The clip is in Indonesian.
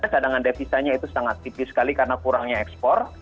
cadangan devisanya itu sangat tipis sekali karena kurangnya ekspor